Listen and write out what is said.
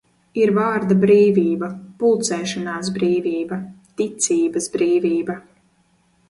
Ir vārda brīvība, pulcēšanās brīvība, ticības brīvība.